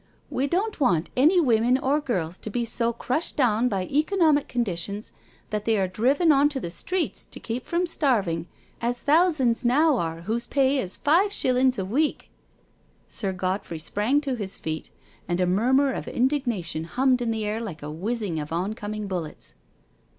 " We don't want any women or girls to be so crushed down by economic conditions that they are driven on to the streets to keep from starving, as thousands now are whose pay is five shillings a week " Sir Godfrey sprang to his feet, and a murmur of indignation hummed in the air like the whizzing of on coming bullets.